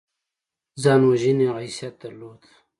ځان وژنې حیثیت درلود.